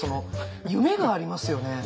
夢がありますよね。